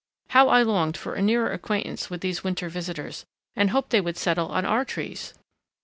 How I longed for a nearer acquaintance with these winter visitors and hoped they would settle on our trees!